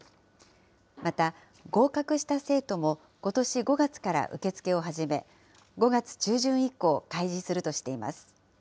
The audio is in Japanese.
また、合格した生徒も、ことし５月から受け付けを始め、５月中旬以降、開示するとしています。